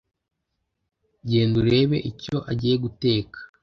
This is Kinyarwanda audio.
Genda urebe icyo agiye guteka